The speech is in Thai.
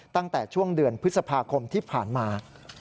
ตั้งแต่ช่วงเดือนพฤษภาคมที่ผ่านมา